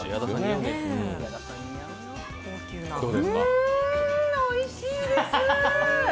うん、おいしいです。